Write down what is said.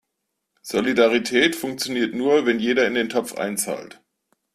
Solidarität funktioniert nur, wenn jeder in den Topf einzahlt.